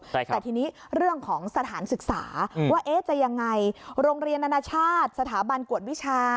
แต่ทีนี้เรื่องของสถานศึกษาว่าเอ๊ะจะยังไงโรงเรียนนานาชาติสถาบันกวดวิชา